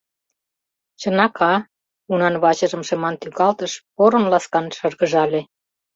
Чынак, а? — унан вачыжым шыман тӱкалтыш, порын-ласкан шыргыжале.